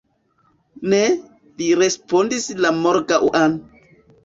Ne, li respondis la morgaŭan.